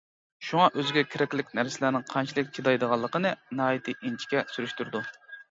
شۇڭا ئۆزىگە كېرەكلىك نەرسىلەرنىڭ قانچىلىك چىدايدىغانلىقىنى ناھايىتى ئىنچىكە سۈرۈشتۈرىدۇ.